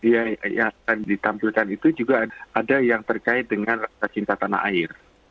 yang akan ditampilkan itu juga ada yang terkait dengan cinta tanah air